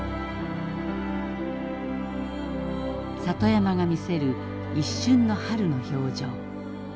里山が見せる一瞬の春の表情。